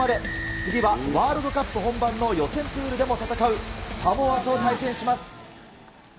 次はワールドカップ本番の予選プールでも戦うサモアと対戦します。